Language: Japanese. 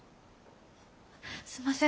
すんません。